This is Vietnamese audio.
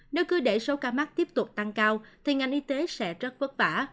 nếu cứ để số ca mắc tiếp tục tăng cao thì ngành y tế sẽ rất vất vả